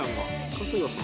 春日さん？